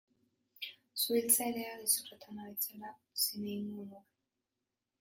Suhiltzailea gezurretan ari zela zin egingo nuke.